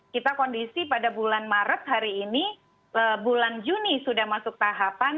kita kondisi pada bulan maret hari ini bulan juni sudah masuk tahapan